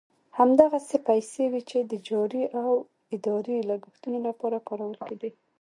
همدغه پیسې وې چې د جاري او اداري لګښتونو لپاره کارول کېدې.